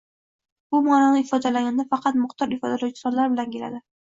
Bu maʼnoni ifodalaganda faqat miqdor ifodalovchi sonlar bilan keladi